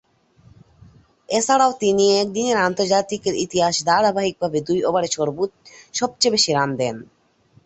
এছাড়াও তিনি একদিনের আন্তর্জাতিকের ইতিহাসে ধারাবাহিকভাবে দুই ওভারে সবচেয়ে বেশি রান দেন।